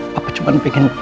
papa cuma pengen